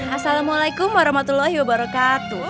assalamualaikum warahmatullahi wabarakatuh